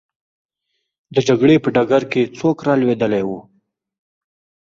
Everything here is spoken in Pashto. د جګړې په ډګر کې څوک رالوېدلی وو؟